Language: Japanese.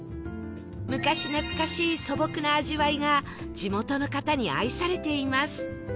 昔懐かしい素朴な味わいが地元の方に愛されています